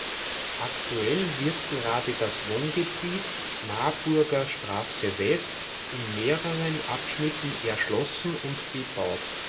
Aktuell wird gerade das Wohngebiet „Marburger Straße West“ in mehreren Abschnitten erschlossen und bebaut.